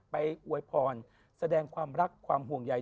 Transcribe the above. อวยพรแสดงความรักความห่วงใย